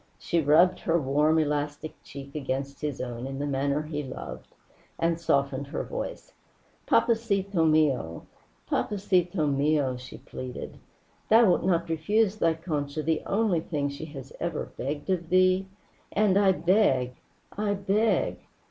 She rubbed her warm elastic cheek against his own in the manner he loved, and softened her voice. "Papacito mio, papacito mio," she pleaded. "Thou wilt not refuse thy Concha the only thing she has ever begged of thee. And I beg! I beg!